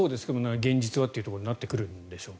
現実はというところになってくるんでしょうか。